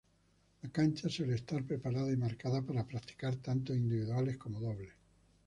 La cancha suele estar preparada y marcada para practicar tanto individuales como dobles.